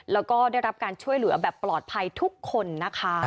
แล้วก็ได้รับการช่วยเหลือแบบปลอดภัยทุกคนนะคะ